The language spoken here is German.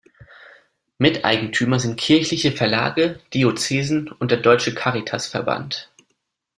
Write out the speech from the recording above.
Miteigentümer sind kirchliche Verlage, Diözesen und der Deutsche Caritasverband.